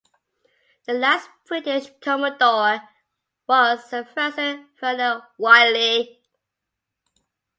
The last British commodore was Sir Francis Verner Wylie.